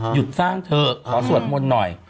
หยุดสร้างเถอะขอสวดมนต์หน่อย